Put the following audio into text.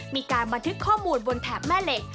มีการบันทึกข้อมูลบนแถบแม่เหล็ก